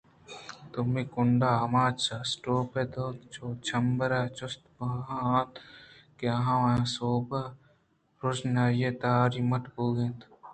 دومی کنڈ ءَ آچ ءِ اسٹوپ ءِ دُوت چو جمبر ءَ چست بوہان اِت اَنت کہ آوانی سوب ءَ روژنائی تہاری ءَ مٹ بوئگءَ ات